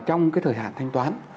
trong cái thời hạn thanh toán